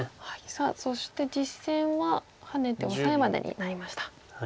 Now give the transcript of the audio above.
さあそして実戦はハネてオサエまでになりました。